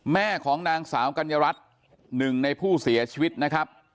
แม่ของนางสาวกัญญารัฐหนึ่งในผู้เสียชีวิตนะครับ